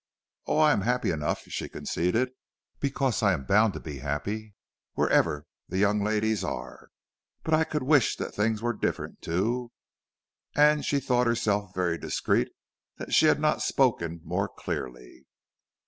"Oh, I am happy enough," she conceded, "because I am bound to be happy wherever the young ladies are. But I could wish that things were different too." And she thought herself very discreet that she had not spoken more clearly.